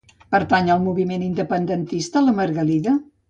Pertany al moviment independentista la Margarida?